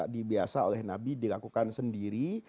dibiasa oleh nabi dilakukan sendiri